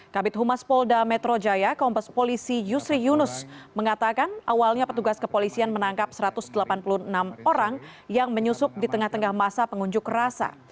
kabit humas polda metro jaya kombes polisi yusri yunus mengatakan awalnya petugas kepolisian menangkap satu ratus delapan puluh enam orang yang menyusup di tengah tengah masa pengunjuk rasa